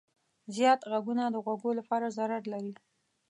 زیات غږونه د غوږو لپاره ضرر لري.